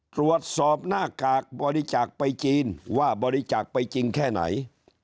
ตรวจสอบหน้ากากบริจาคไปจีนว่าบริจาคไปจริงแค่ไหน